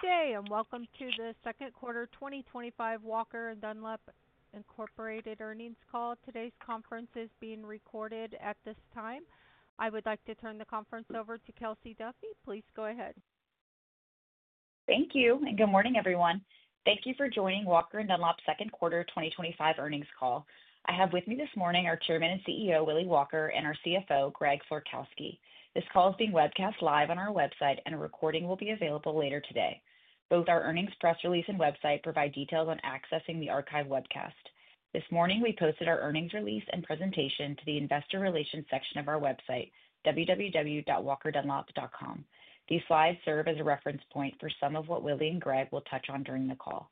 Today, and welcome to the Second Quarter 2025 Walker & Dunlop Incorporated Earnings Call. Today's conference is being recorded. At this time, I would like to turn the conference over to Kelsey Duffey. Please go ahead. Thank you, and good morning, everyone. Thank you for joining Walker & Dunlop's second quarter 2025 earnings call. I have with me this morning our Chairman and CEO, Willy Walker, and our CFO, Greg Florkowski. This call is being webcast live on our website, and a recording will be available later today. Both our earnings press release and website provide details on accessing the archive webcast. This morning, we posted our earnings release and presentation to the investor relations section of our website, www.walker-dunlop.com. These slides serve as a reference point for some of what Willy and Greg will touch on during the call.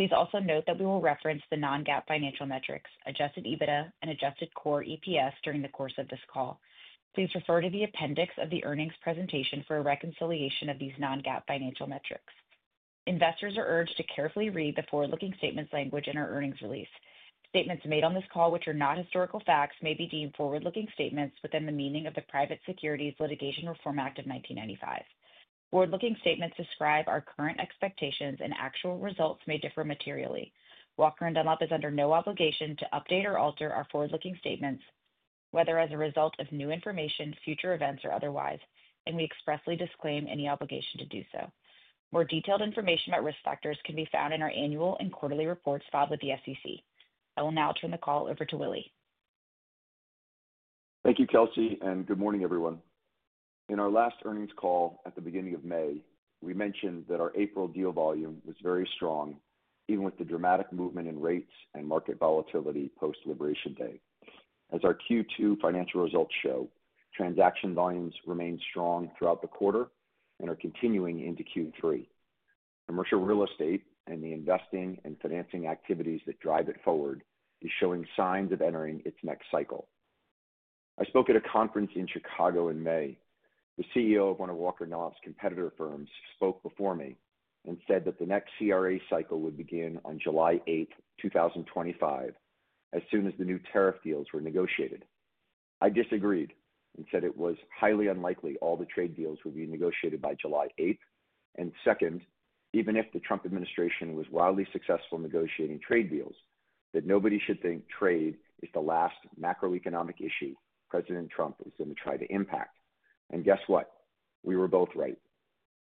Please also note that we will reference the non-GAAP financial metrics, adjusted EBITDA, and adjusted core EPS during the course of this call. Please refer to the appendix of the earnings presentation for a reconciliation of these non-GAAP financial metrics. Investors are urged to carefully read the forward-looking statements language in our earnings release. Statements made on this call, which are not historical facts, may be deemed forward-looking statements within the meaning of the Private Securities Litigation Reform Act of 1995. Forward-looking statements describe our current expectations, and actual results may differ materially. Walker & Dunlop is under no obligation to update or alter our forward-looking statements, whether as a result of new information, future events, or otherwise, and we expressly disclaim any obligation to do so. More detailed information about risk factors can be found in our annual and quarterly reports filed with the SEC. I will now turn the call over to Willy. Thank you, Kelsey, and good morning, everyone. In our last earnings call at the beginning of May, we mentioned that our April deal volume was very strong, even with the dramatic movement in rates and market volatility post Liberation Day. As our Q2 financial results show, transaction volumes remain strong throughout the quarter and are continuing into Q3. Commercial real estate and the investing and financing activities that drive it forward are showing signs of entering its next cycle. I spoke at a conference in Chicago in May. The CEO of one of Walker & Dunlop's competitor firms spoke before me and said that the next CRE cycle would begin on July 8th, 2025, as soon as the new tariff deals were negotiated. I disagreed and said it was highly unlikely all the trade deals would be negotiated by July 8th, and second, even if the Trump administration was wildly successful negotiating trade deals, that nobody should think trade is the last macroeconomic issue President Trump is going to try to impact. Guess what? We were both right.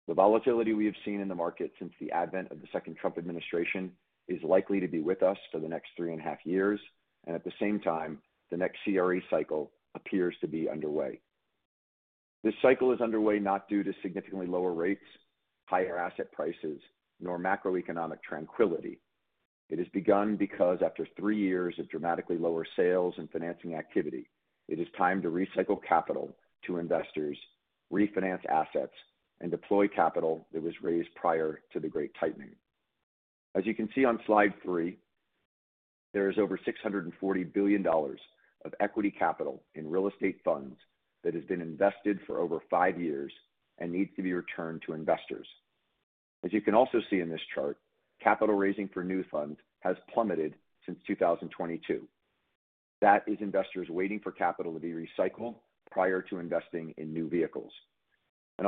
The volatility we have seen in the market since the advent of the second Trump administration is likely to be with us for the next three and a half years, and at the same time, the next CRE cycle appears to be underway. This cycle is underway not due to significantly lower rates, higher asset prices, nor macroeconomic tranquility. It has begun because, after three years of dramatically lower sales and financing activity, it is time to recycle capital to investors, refinance assets, and deploy capital that was raised prior to the Great Tightening. As you can see on slide three, there is over $640 billion of equity capital in real estate funds that has been invested for over five years and needs to be returned to investors. As you can also see in this chart, capital raising for new funds has plummeted since 2022. That is investors waiting for capital to be recycled prior to investing in new vehicles.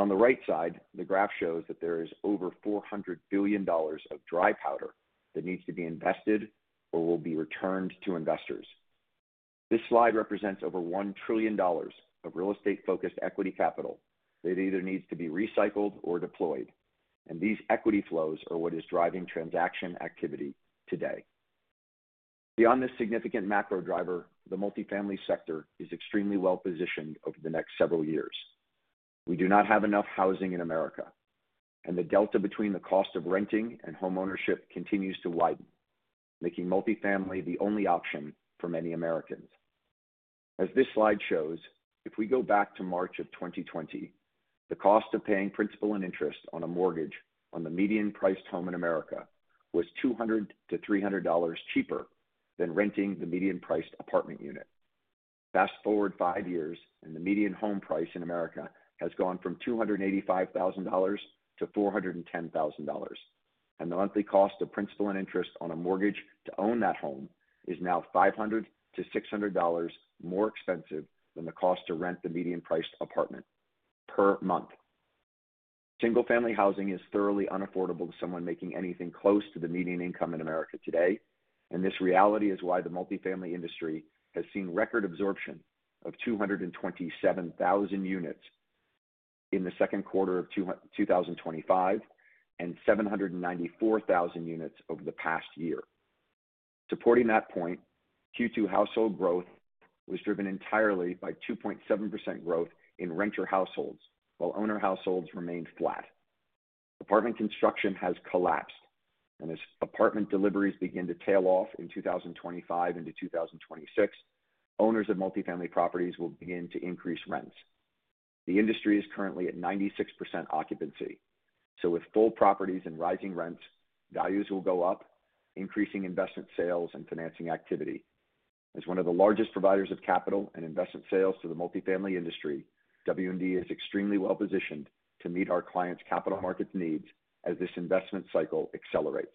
On the right side, the graph shows that there is over $400 billion of dry powder that needs to be invested or will be returned to investors. This slide represents over $1 trillion of real estate-focused equity capital that either needs to be recycled or deployed, and these equity flows are what is driving transaction activity today. Beyond this significant macro driver, the multifamily sector is extremely well positioned over the next several years. We do not have enough housing in America, and the delta between the cost of renting and homeownership continues to widen, making multifamily the only option for many Americans. As this slide shows, if we go back to March of 2020, the cost of paying principal and interest on a mortgage on the median priced home in America was $200-$300 cheaper than renting the median priced apartment unit. Fast forward five years, and the median home price in America has gone from $285,000 to $410,000, and the monthly cost of principal and interest on a mortgage to own that home is now $500-$600 more expensive than the cost to rent the median-priced apartment per month. Single-family housing is thoroughly unaffordable to someone making anything close to the median income in America today, and this reality is why the multifamily industry has seen record absorption of 227,000 units in the second quarter of 2025 and 794,000 units over the past year. Supporting that point, Q2 household growth was driven entirely by 2.7% growth in renter households, while owner households remain flat. Apartment construction has collapsed, and as apartment deliveries begin to tail off in 2025 into 2026, owners of multifamily properties will begin to increase rents. The industry is currently at 96% occupancy, so with full properties and rising rents, values will go up, increasing investment sales and financing activity. As one of the largest providers of capital and investment sales to the multifamily industry, W&D is extremely well positioned to meet our clients' capital markets needs as this investment cycle accelerates.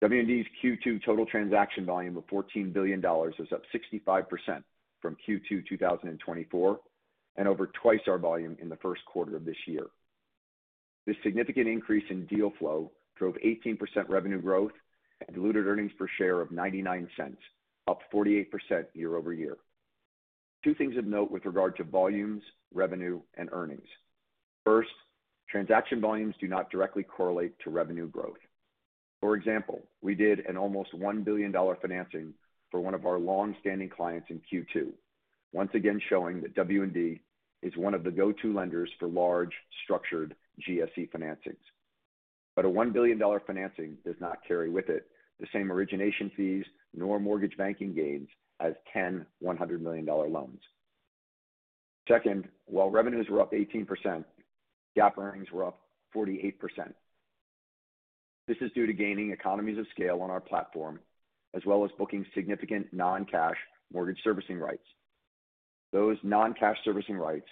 W&D's Q2 total transaction volume of $14 billion was up 65% from Q2 2024 and over twice our volume in the first quarter of this year. This significant increase in deal flow drove 18% revenue growth and diluted earnings per share of $0.99, up 48% year-over-year. Two things of note with regard to volumes, revenue, and earnings. First, transaction volumes do not directly correlate to revenue growth. For example, we did an almost $1 billion financing for one of our long-standing clients in Q2, once again showing that W&D is one of the go-to lenders for large, structured GSE financings. A $1 billion financing does not carry with it the same origination fees nor mortgage banking gains as 10 $100 million loans. Second, while revenues were up 18%, GAAP earnings were up 48%. This is due to gaining economies of scale on our platform, as well as booking significant non-cash mortgage servicing rights. Those non-cash servicing rights,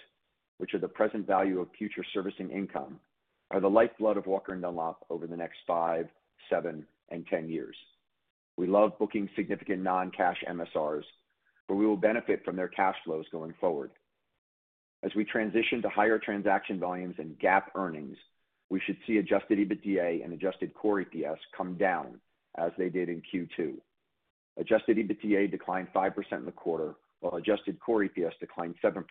which are the present value of future servicing income, are the lifeblood of Walker & Dunlop over the next five, seven, and 10 years. We love booking significant non-cash MSRs, but we will benefit from their cash flows going forward. As we transition to higher transaction volumes and GAAP earnings, we should see adjusted EBITDA and adjusted core EPS come down as they did in Q2. Adjusted EBITDA declined 5% in the quarter, while adjusted core EPS declined 7%,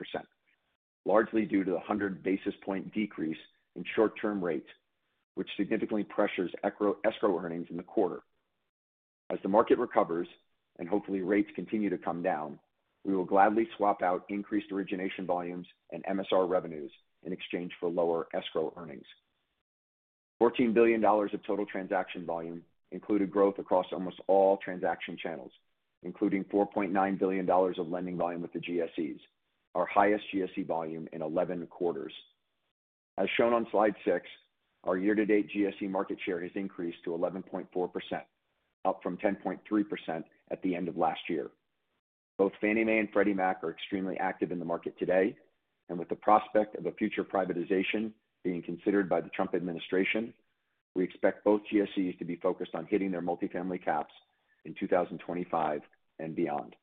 largely due to the 100 basis point decrease in short-term rates, which significantly pressures escrow earnings in the quarter. As the market recovers and hopefully rates continue to come down, we will gladly swap out increased origination volumes and MSR revenues in exchange for lower escrow earnings. $14 billion of total transaction volume included growth across almost all transaction channels, including $4.9 billion of lending volume with the GSEs, our highest GSE volume in 11 quarters. As shown on slide six, our year-to-date GSE market share has increased to 11.4%, up from 10.3% at the end of last year. Both Fannie Mae and Freddie Mac are extremely active in the market today, and with the prospect of a future privatization being considered by the Trump administration, we expect both GSEs to be focused on hitting their multifamily caps in 2025 and beyond.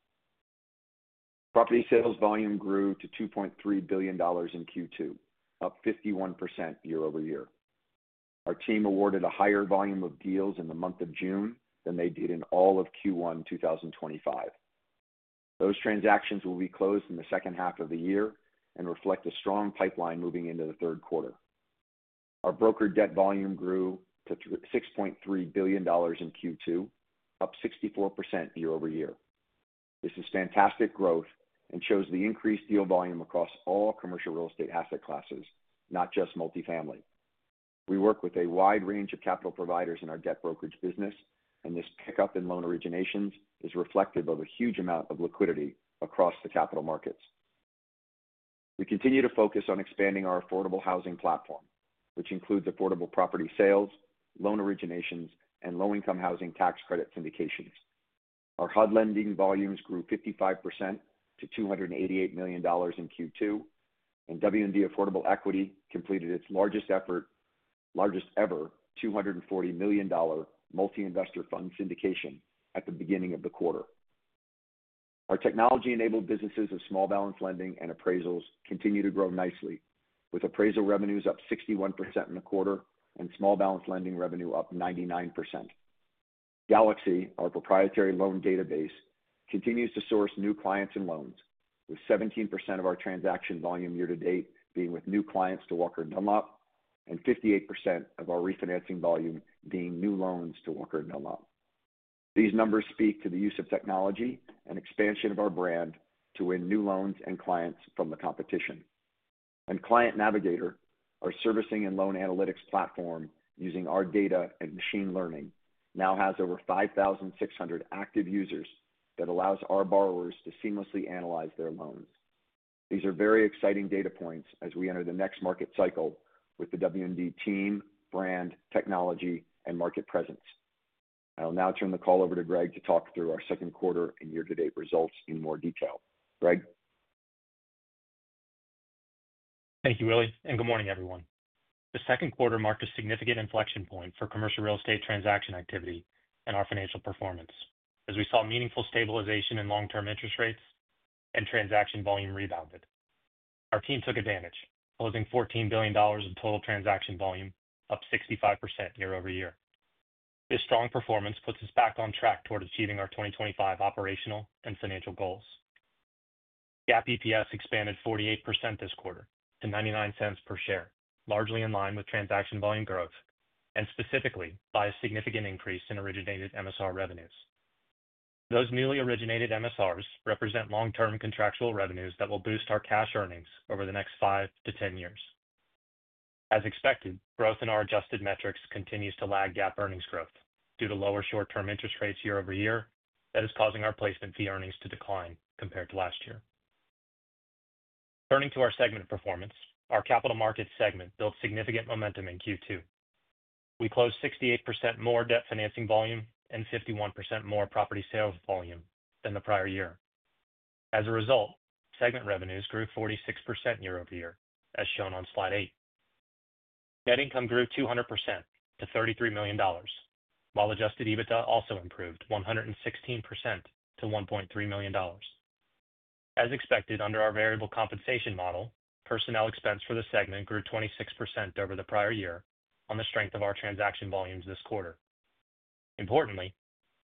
Property sales volume grew to $2.3 billion in Q2, up 51% year-over-year. Our team awarded a higher volume of deals in the month of June than they did in all of Q1 2025. Those transactions will be closed in the second half of the year and reflect a strong pipeline moving into the third quarter. Our broker debt volume grew to $6.3 billion in Q2, up 64% year-over-year. This is fantastic growth and shows the increased deal volume across all commercial real estate asset classes, not just multifamily. We work with a wide range of capital providers in our debt brokerage business, and this pickup in loan originations is reflective of a huge amount of liquidity across the capital markets. We continue to focus on expanding our affordable-housing platform, which includes affordable property sales, loan originations, and low-income housing tax credit syndications. Our HUD lending volumes grew 55% to $288 million in Q2, and W&D Affordable Equity completed its largest ever $240 million multi-investor fund syndication at the beginning of the quarter. Our technology-enabled businesses of small balance lending and appraisals continue to grow nicely, with appraisal revenues up 61% in the quarter and small balance lending revenue up 99%. Galaxy, our proprietary loan database, continues to source new clients and loans, with 17% of our transaction volume year to date being with new clients to Walker & Dunlop and 58% of our refinancing volume being new loans to Walker & Dunlop. These numbers speak to the use of technology and expansion of our brand to win new loans and clients from the competition. Client Navigator, our servicing and loan analytics platform using our data and machine learning, now has over 5,600 active users that allows our borrowers to seamlessly analyze their loans. These are very exciting data points as we enter the next market cycle with the W&D team, brand, technology, and market presence. I will now turn the call over to Greg to talk through our second quarter and year-to-date results in more detail. Greg? Thank you, Willy, and good morning, everyone. The second quarter marked a significant inflection point for commercial real estate transaction activity and our financial performance. As we saw meaningful stabilization in long-term interest rates, transaction volume rebounded. Our team took advantage, closing $14 billion of total transaction volume, up 65% year-over-year. This strong performance puts us back on track toward achieving our 2025 operational and financial goals. GAAP EPS expanded 48% this quarter to $0.99 per share, largely in line with transaction volume growth, and specifically by a significant increase in originated MSR revenues. Those newly originated MSRs represent long-term contractual revenues that will boost our cash earnings over the next five to 10 years. As expected, growth in our adjusted metrics continues to lag GAAP earnings growth due to lower short-term interest rates year-over-year that is causing our placement fee earnings to decline compared to last year. Turning to our segment performance, our capital markets segment built significant momentum in Q2. We closed 68% more debt financing volume and 51% more property sales volume than the prior year. As a result, segment revenues grew 46% year-over-year, as shown on slide eight. Net income grew 200% to $33 million, while adjusted EBITDA also improved 116% to $1.3 million. As expected, under our variable compensation model, personnel expense for the segment grew 26% over the prior year on the strength of our transaction volumes this quarter. Importantly,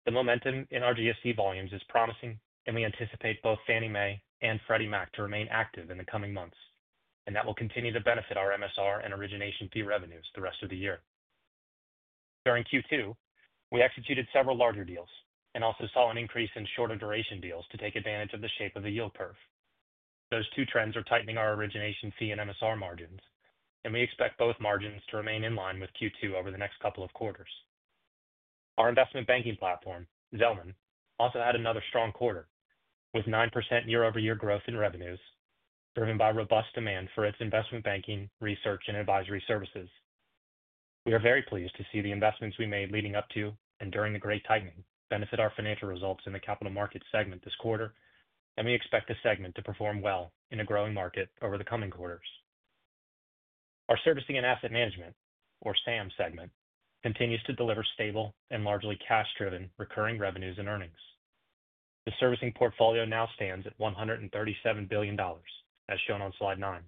the momentum in our GSE volumes is promising, and we anticipate both Fannie Mae and Freddie Mac to remain active in the coming months, and that will continue to benefit our MSR and origination fee revenues the rest of the year. During Q2, we executed several larger deals and also saw an increase in shorter duration deals to take advantage of the shape of the yield curve. Those two trends are tightening our origination fee and MSR margins, and we expect both margins to remain in line with Q2 over the next couple of quarters. Our investment banking platform, Zelman, also had another strong quarter with 9% year-over-year growth in revenues, driven by robust demand for its investment banking, research, and advisory services. We are very pleased to see the investments we made leading up to and during the Great Tightening benefit our financial results in the Capital Markets segment this quarter, and we expect the segment to perform well in a growing market over the coming quarters. Our Servicing and Asset Management, or SAM segment continues to deliver stable and largely cash-driven recurring revenues and earnings. The servicing portfolio now stands at $137 billion, as shown on slide nine,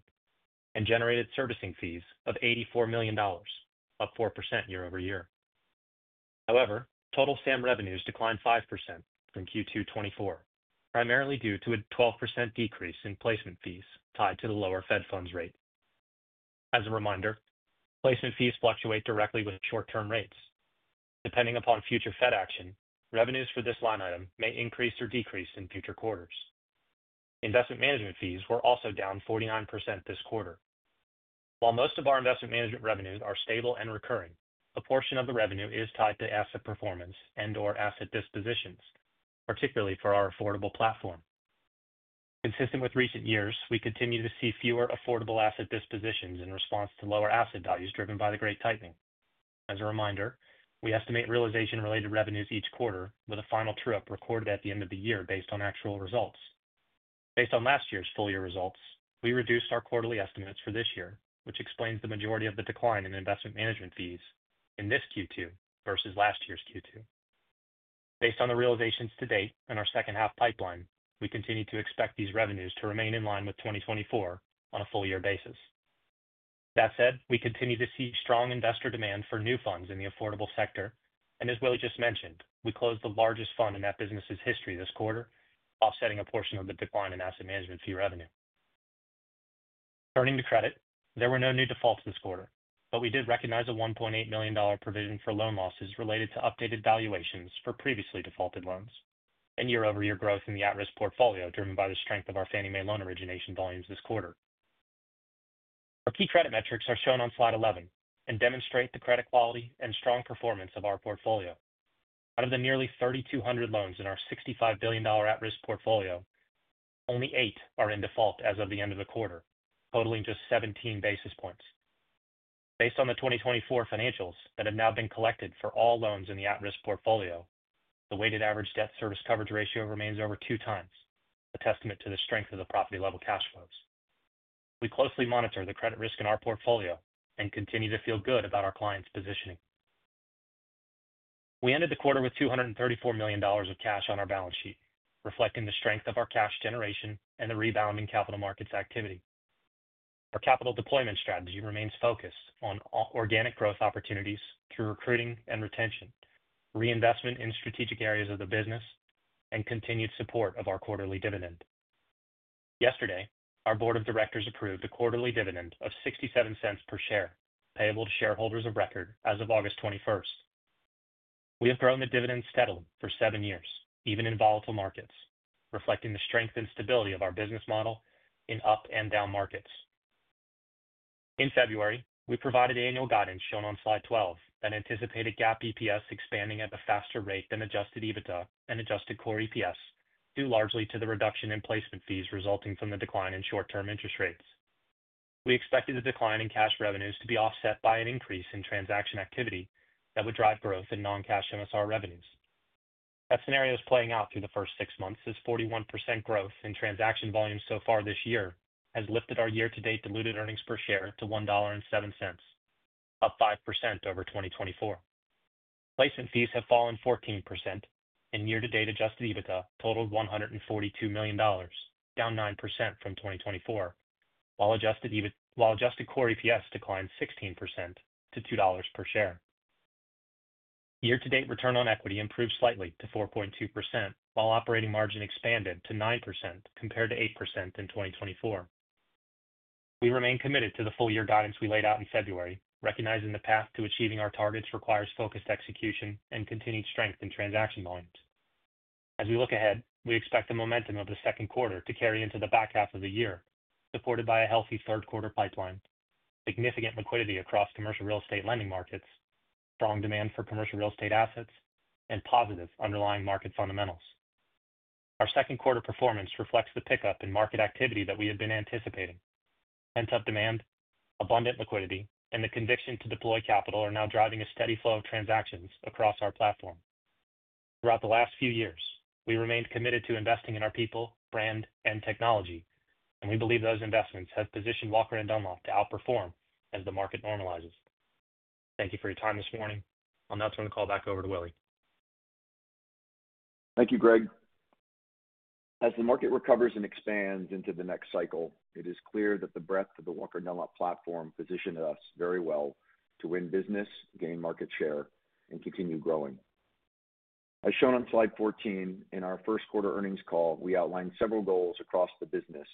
and generated servicing fees of $84 million, up 4% year-over-year. However, total SAM revenues declined 5% in Q2 2024, primarily due to a 12% decrease in placement fees tied to the lower Fed Funds rate. As a reminder, placement fees fluctuate directly with short-term rates. Depending upon future Fed action, revenues for this line item may increase or decrease in future quarters. Investment management fees were also down 49% this quarter. While most of our investment management revenues are stable and recurring, a portion of the revenue is tied to asset performance and/or asset dispositions, particularly for our Affordable platform. Consistent with recent years, we continue to see fewer Affordable asset dispositions in response to lower asset values driven by the Great Tightening. As a reminder, we estimate realization-related revenues each quarter with a final true up recorded at the end of the year based on actual results. Based on last year's full-year results, we reduced our quarterly estimates for this year, which explains the majority of the decline in investment management fees in this Q2 versus last year's Q2. Based on the realizations to date and our second half pipeline, we continue to expect these revenues to remain in line with 2024 on a full-year basis. That said, we continue to see strong investor demand for new funds in the Affordable sector, and as Willy just mentioned, we closed the largest fund in that business's history this quarter, offsetting a portion of the decline in asset management fee revenue. Turning to credit, there were no new defaults this quarter, but we did recognize a $1.8 million provision for loan losses related to updated valuations for previously defaulted loans and year-over-year growth in the at-risk portfolio driven by the strength of our Fannie Mae loan origination volumes this quarter. Our key credit metrics are shown on slide 11 and demonstrate the credit quality and strong performance of our portfolio. Out of the nearly 3,200 loans in our $65 billion at-risk portfolio, only eight are in default as of the end of the quarter, totaling just 17 basis points. Based on the 2024 financials that have now been collected for all loans in the at-risk portfolio, the weighted average debt service coverage ratio remains over two times, a testament to the strength of the property-level cash flows. We closely monitor the credit risk in our portfolio and continue to feel good about our clients' positioning. We ended the quarter with $234 million of cash on our balance sheet, reflecting the strength of our cash generation and the rebound in Capital Markets activity. Our capital deployment strategy remains focused on organic growth opportunities through recruiting and retention, reinvestment in strategic areas of the business, and continued support of our quarterly dividend. Yesterday, our Board of Directors approved a quarterly dividend of $0.67 per share, payable to shareholders of record as of August 21. We have grown the dividend steadily for seven years, even in volatile markets, reflecting the strength and stability of our business model in up and down markets. In February, we provided annual guidance shown on slide 12 that anticipated GAAP EPS expanding at a faster rate than adjusted EBITDA and adjusted core EPS, due largely to the reduction in placement fees resulting from the decline in short-term interest rates. We expected the decline in cash revenues to be offset by an increase in transaction activity that would drive growth in non-cash MSR revenues. That scenario is playing out through the first six months as 41% growth in transaction volume so far this year has lifted our year-to-date diluted earnings per share to $1.07, up 5% over 2024. Placement fees have fallen 14%, and year-to-date adjusted EBITDA totaled $142 million, down 9% from 2024, while adjusted core EPS declined 16% to $2 per share. Year-to-date return on equity improved slightly to 4.2%, while operating margin expanded to 9% compared to 8% in 2024. We remain committed to the full-year guidance we laid out in February, recognizing the path to achieving our targets requires focused execution and continued strength in transaction volumes. As we look ahead, we expect the momentum of the second quarter to carry into the back half of the year, supported by a healthy third-quarter pipeline, significant liquidity across commercial real estate lending markets, strong demand for commercial real estate assets, and positive underlying market fundamentals. Our second quarter performance reflects the pickup in market activity that we had been anticipating. Pent-up demand, abundant liquidity, and the conviction to deploy capital are now driving a steady flow of transactions across our platform. Throughout the last few years, we remained committed to investing in our people, brand, and technology, and we believe those investments have positioned Walker & Dunlop to outperform as the market normalizes. Thank you for your time this morning. I'll now turn the call back over to Willy. Thank you, Greg. As the market recovers and expands into the next cycle, it is clear that the breadth of the Walker & Dunlop platform positioned us very well to win business, gain market share, and continue growing. As shown on slide 14 in our first quarter earnings call, we outlined several goals across the business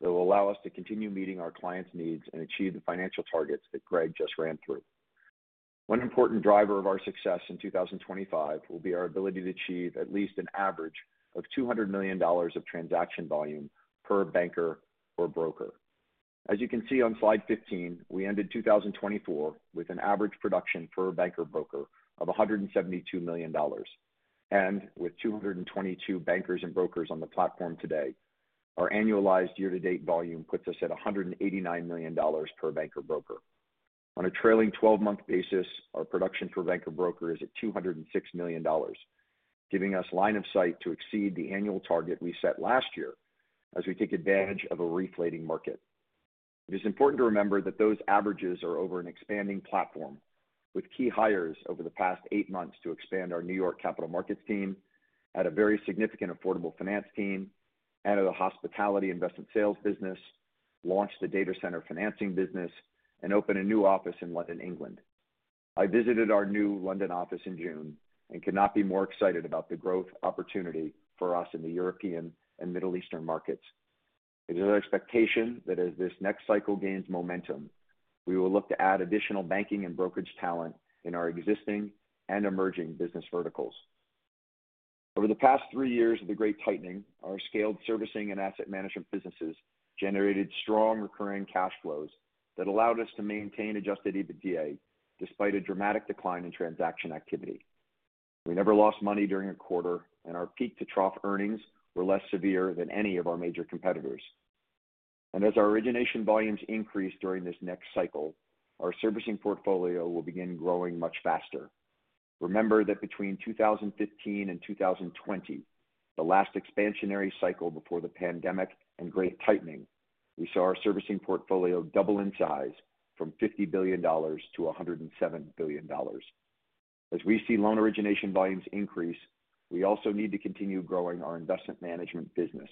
that will allow us to continue meeting our clients' needs and achieve the financial targets that Greg just ran through. One important driver of our success in 2025 will be our ability to achieve at least an average of $200 million of transaction volume per banker or broker. As you can see on slide 15, we ended 2024 with an average production per banker-broker of $172 million, and with 222 bankers and brokers on the platform today, our annualized year-to-date volume puts us at $189 million per banker-broker. On a trailing 12-month basis, our production per banker-broker is at $206 million, giving us line of sight to exceed the annual target we set last year as we take advantage of a reflating market. It is important to remember that those averages are over an expanding platform, with key hires over the past eight months to expand our New York Capital Markets team, add a very significant affordable finance team, add a hospitality investment sales business, launch the Data Center financing business, and open a new office in London, England. I visited our new London office in June and cannot be more excited about the growth opportunity for us in the European and Middle Eastern markets. It is an expectation that as this next cycle gains momentum, we will look to add additional banking and brokerage talent in our existing and emerging business verticals. Over the past three years of the Great Tightening, our scaled servicing and asset management businesses generated strong recurring cash flows that allowed us to maintain adjusted EBITDA despite a dramatic decline in transaction activity. We never lost money during a quarter, and our peak-to-trough earnings were less severe than any of our major competitors. As our origination volumes increase during this next cycle, our servicing portfolio will begin growing much faster. Remember that between 2015 and 2020, the last expansionary cycle before the pandemic and Great Tightening, we saw our servicing portfolio double in size from $50 billion to $107 billion. As we see loan origination volumes increase, we also need to continue growing our investment management business.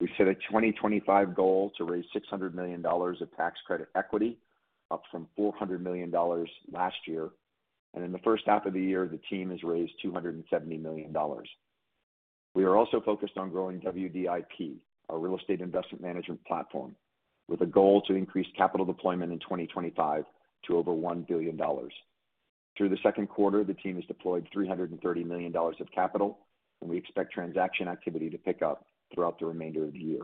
We set a 2025 goal to raise $600 million of tax credit equity, up from $400 million last year, and in the first half of the year, the team has raised $270 million. We are also focused on growing WDIP, our real estate investment management platform, with a goal to increase capital deployment in 2025 to over $1 billion. Through the second quarter, the team has deployed $330 million of capital, and we expect transaction activity to pick up throughout the remainder of the year.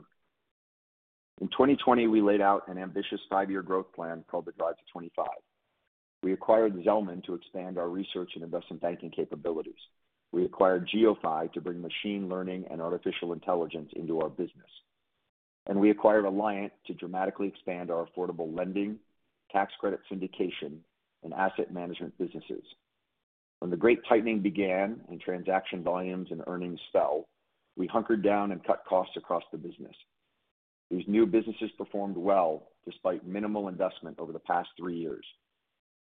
In 2020, we laid out an ambitious five-year growth plan called The Drive to 2025. We acquired Zelman to expand our research and investment banking capabilities. We acquired GeoPhy to bring machine learning and artificial intelligence into our business. We acquired Alliant to dramatically expand our affordable lending, tax credit syndication, and asset management businesses. When the Great Tightening began and transaction volumes and earnings fell, we hunkered down and cut costs across the business. These new businesses performed well despite minimal investment over the past three years.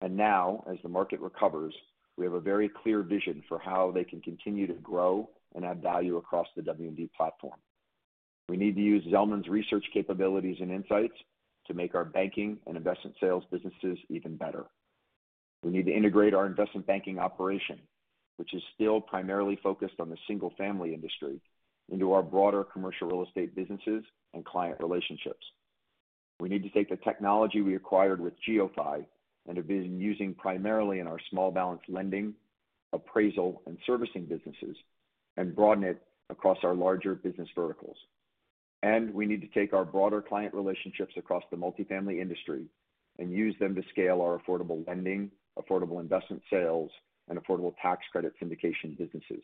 Now, as the market recovers, we have a very clear vision for how they can continue to grow and add value across the W&D platform. We need to use Zelman's research capabilities and insights to make our banking and investment sales businesses even better. We need to integrate our investment banking operation, which is still primarily focused on the single-family industry, into our broader commercial real estate businesses and client relationships. We need to take the technology we acquired with GeoPhy and envision using it primarily in our small balance lending, appraisal, and servicing businesses and broaden it across our larger business verticals. We need to take our broader client relationships across the multifamily industry and use them to scale our affordable lending, affordable investment sales, and affordable tax credit syndication businesses.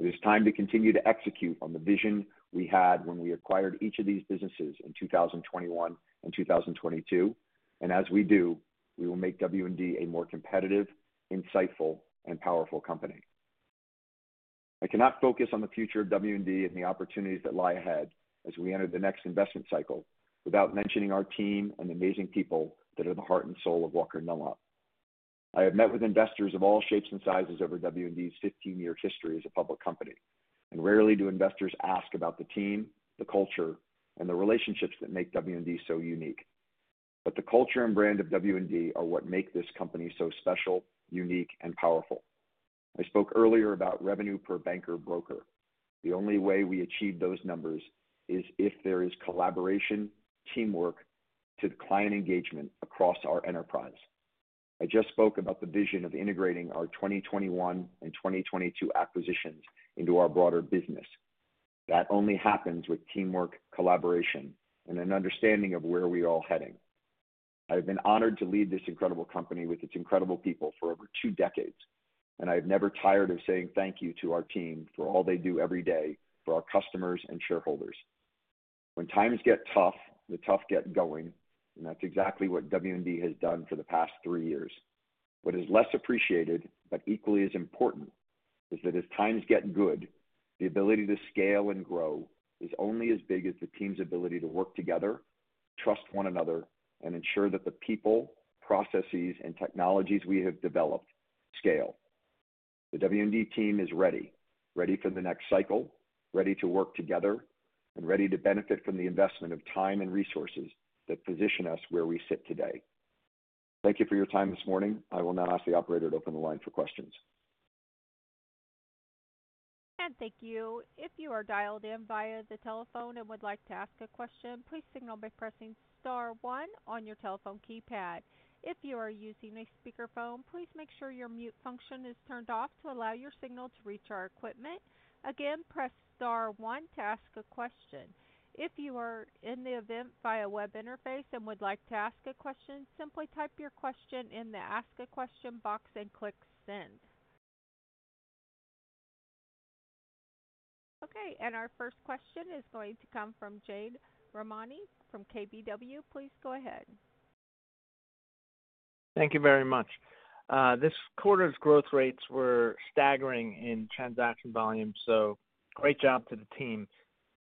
It is time to continue to execute on the vision we had when we acquired each of these businesses in 2021 and 2022. As we do, we will make W&D a more competitive, insightful, and powerful company. I cannot focus on the future of W&D and the opportunities that lie ahead as we enter the next investment cycle without mentioning our team and the amazing people that are the heart and soul of Walker & Dunlop. I have met with investors of all shapes and sizes over Walker & Dunlop's 15-year history as a public company, and rarely do investors ask about the team, the culture, and the relationships that make Walker & Dunlop so unique. The culture and brand of W&D are what make this company so special, unique, and powerful. I spoke earlier about revenue per banker-broker. The only way we achieve those numbers is if there is collaboration, teamwork, to the client engagement across our enterprise. I just spoke about the vision of integrating our 2021 and 2022 acquisitions into our broader business. That only happens with teamwork, collaboration, and an understanding of where we are all heading. I have been honored to lead this incredible company with its incredible people for over two decades, and I have never tired of saying thank you to our team for all they do every day for our customers and shareholders. When times get tough, the tough get going, and that's exactly what W&D has done for the past three years. What is less appreciated but equally as important is that as times get good, the ability to scale and grow is only as big as the team's ability to work together, trust one another, and ensure that the people, processes, and technologies we have developed scale. The W&D team is ready, ready for the next cycle, ready to work together, and ready to benefit from the investment of time and resources that position us where we sit today. Thank you for your time this morning. I will now ask the operator to open the line for questions. Thank you. If you are dialed in via the telephone and would like to ask a question, please signal by pressing star one on your telephone keypad. If you are using a speakerphone, please make sure your mute function is turned off to allow your signal to reach our equipment. Again, press star one to ask a question. If you are in the event via web interface and would like to ask a question, simply type your question in the ask a question box and click send. Okay, our first question is going to come from Jade Rahmani from KBW. Please go ahead. Thank you very much. This quarter's growth rates were staggering in transaction volume, so great job to the team.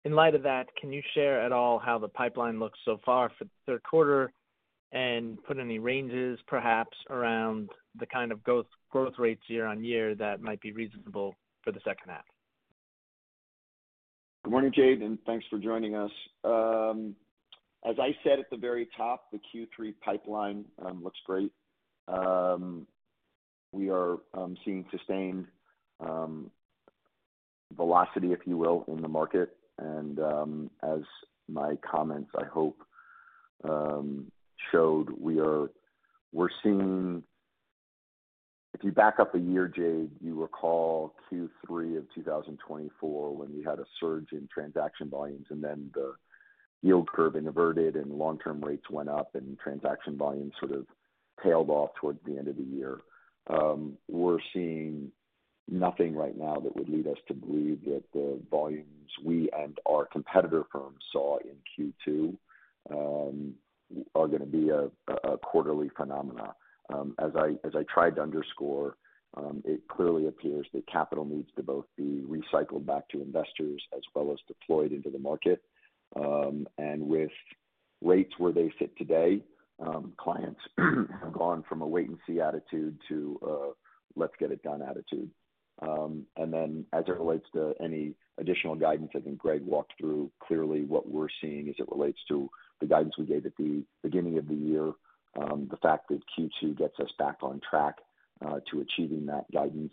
In light of that, can you share at all how the pipeline looks so far for the third quarter and put any ranges, perhaps, around the kind of growth rates year on year that might be reasonable for the second half? Good morning, Jade, and thanks for joining us. As I said at the very top, the Q3 pipeline looks great. We are seeing sustained velocity, if you will, in the market. As my comments, I hope, showed, we are seeing, if you back up a year, Jade, you recall Q3 of 2024 when we had a surge in transaction volumes and then the yield curve inverted and long-term rates went up and transaction volumes sort of tailed off towards the end of the year. We are seeing nothing right now that would lead us to believe that the volumes we and our competitor firm saw in Q2 are going to be a quarterly phenomenon. As I tried to underscore, it clearly appears that capital needs to both be recycled back to investors as well as deployed into the market. With rates where they sit today, clients have gone from a wait-and-see attitude to a let's-get-it-done attitude. As it relates to any additional guidance, I think Greg walked through clearly what we are seeing as it relates to the guidance we gave at the beginning of the year, the fact that Q2 gets us back on track to achieving that guidance.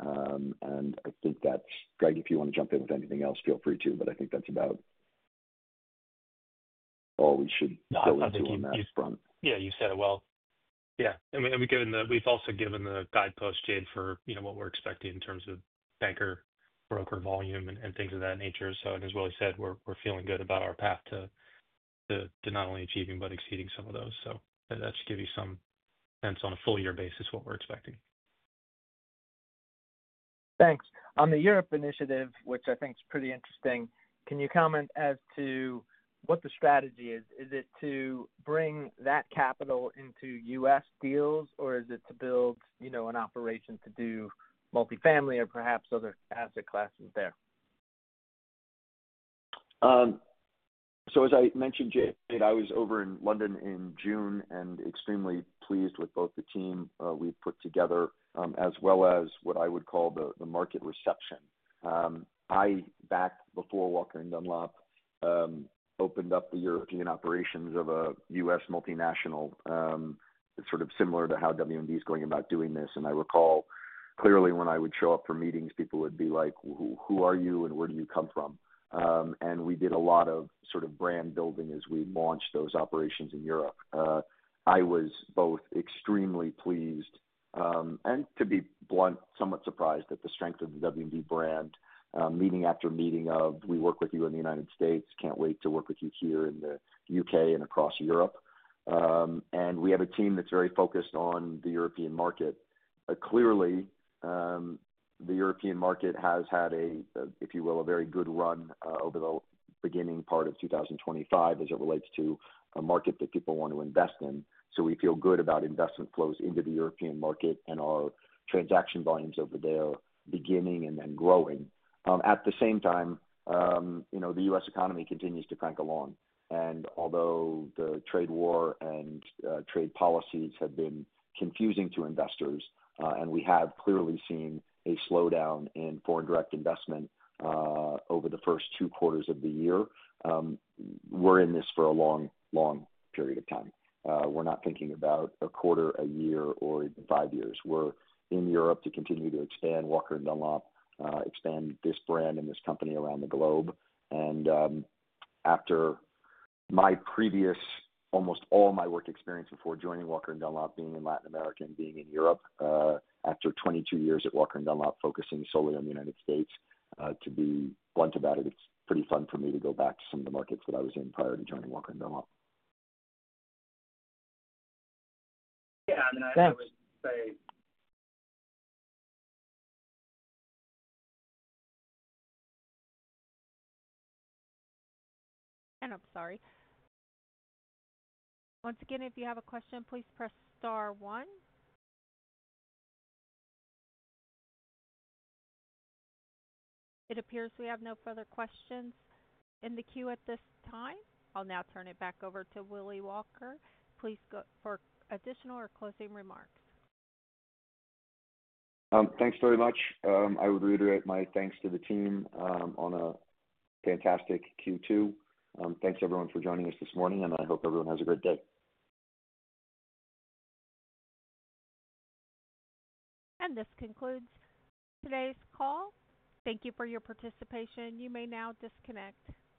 I think that's, Greg, if you want to jump in with anything else, feel free to, but I think that's about all we should be able to take on that front. Yeah, you've said it well. We've also given the guidepost, Jade, for what we're expecting in terms of banker-broker volume and things of that nature. As Willy said, we're feeling good about our path to not only achieving but exceeding some of those. That should give you some sense on a full-year basis what we're expecting. Thanks. On the Europe initiative, which I think is pretty interesting, can you comment as to what the strategy is? Is it to bring that capital into U.S. deals, or is it to build an operation to do multifamily or perhaps other asset classes there? As I mentioned, Jade, I was over in London in June and extremely pleased with both the team we put together as well as what I would call the market reception. Back before Walker & Dunlop opened up the European operations of a U.S. multinational, sort of similar to how W&D is going about doing this, I recall clearly when I would show up for meetings, people would be like, "Who are you and where do you come from?" We did a lot of sort of brand building as we launched those operations in Europe. I was both extremely pleased and, to be blunt, somewhat surprised at the strength of the W&D brand, meeting after meeting of, "We work with you in the United States. Can't wait to work with you here in the U.K. and across Europe." We have a team that's very focused on the European market. Clearly, the European market has had, if you will, a very good run over the beginning part of 2025 as it relates to a market that people want to invest in. We feel good about investment flows into the European market and our transaction volumes over there beginning and then growing. At the same time, the U.S. economy continues to crank along. Although the trade war and trade policies have been confusing to investors, and we have clearly seen a slowdown in foreign direct investment over the first two quarters of the year, we're in this for a long, long period of time. We're not thinking about a quarter, a year, or even five years. We're in Europe to continue to expand Walker & Dunlop, expand this brand and this company around the globe. After my previous, almost all my work experience before joining Walker & Dunlop, being in Latin America and being in Europe, after 22 years at Walker & Dunlop focusing solely on the United States, to be blunt about it, it's pretty fun for me to go back to some of the markets that I was in prior to joining Walker & Dunlop. Yeah, I would say. I'm sorry. Once again, if you have a question, please press star one. It appears we have no further questions in the queue at this time. I'll now turn it back over to Willy Walker. Please go for additional or closing remarks. Thanks very much. I would reiterate my thanks to the team on a fantastic Q2. Thanks, everyone, for joining us this morning, and I hope everyone has a great day. This concludes today's call. Thank you for your participation. You may now disconnect.